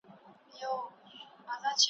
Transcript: له آسمانه به راتللې بیرته کورته ,